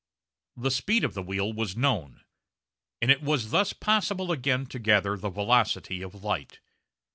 The speed of the wheel was known, and it was thus possible again to gather the velocity of light.